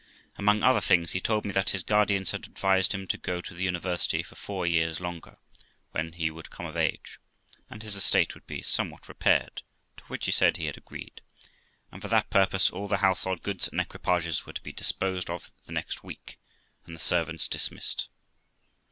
Among other things he told me that his guardians had advised him to go to the university for four years longer, when he would come of age, and his estate would be somewhat repaired ; to which he said he had agreed ; and for that purpose all the household goods and equipages were to be disposed of the next week, and the servants dismissed.